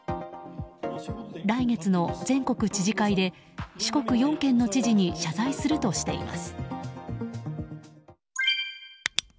来月の全国知事会で四国４県の知事に謝罪するとしています。